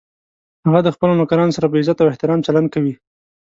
هغه د خپلو نوکرانو سره په عزت او احترام چلند کوي